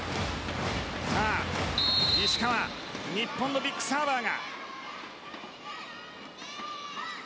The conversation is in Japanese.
さあ、石川日本のビッグサーバー。